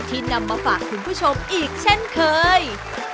นำมาฝากคุณผู้ชมอีกเช่นเคย